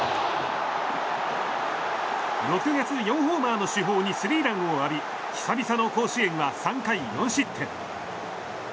６月、４ホーマーの主砲にスリーランを浴び久々の甲子園は３回４失点。